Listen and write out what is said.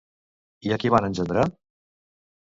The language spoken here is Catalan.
I a qui van engendrar?